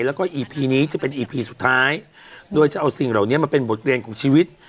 แล้วก็อีพีนี้จะเป็นอีพีสุดท้ายโดยจะเอาสิ่งเหล่านี้มาเป็นบทเรียนของชีวิต